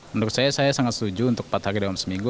menurut saya saya sangat setuju untuk empat hari dalam seminggu